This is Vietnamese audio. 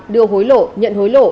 đưa hối lộ nhận hối lộ